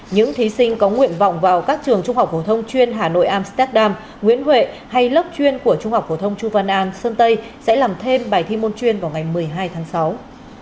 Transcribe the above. những thí sinh có nguyện vọng vào các trường trung học phổ thông chuyên hà nội amsterdam nguyễn huệ hay lớp chuyên của trung học phổ thông chu văn an sơn tây sẽ làm thêm bài thi môn chuyên vào ngày một mươi hai tháng sáu